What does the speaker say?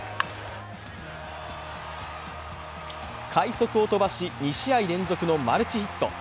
快足を飛ばし、２試合連続のマルチヒット。